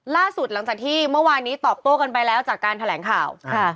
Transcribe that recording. ล่าสุดหลังจากที่เมื่อวานนี้ตอบโต้กันไปแล้วจากการแถลงข่าวค่ะ